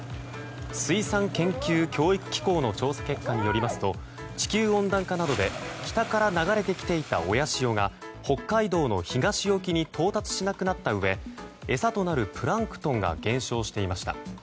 水産研究・教育機構の調査結果によりますと地球温暖化などで北から流れてきていた親潮が北海道の東沖に到達しなくなったうえ餌となるプランクトンが減少していました。